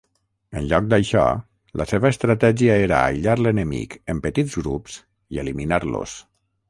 En lloc d'això, la seva estratègia era aïllar l'enemic en petits grups i eliminar-los.